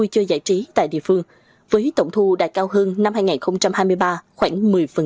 vui chơi giải trí tại địa phương với tổng thu đạt cao hơn năm hai nghìn hai mươi ba khoảng một mươi